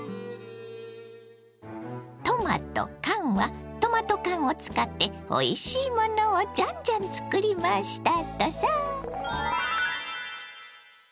トマとカンはトマト缶を使っておいしいものをジャンジャン作りましたとさ。